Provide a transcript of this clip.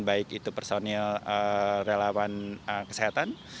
baik itu personil relawan kesehatan